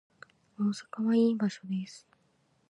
大阪はいい場所です